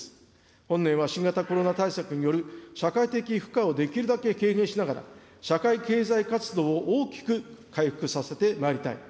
本年は新型コロナ対策による社会的負荷をできるだけ軽減しながら、社会経済活動を大きく回復させてまいりたい。